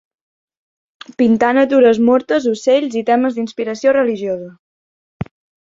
Pintà natures mortes, ocells i temes d'inspiració religiosa.